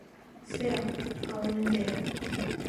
Sea "a" un entero.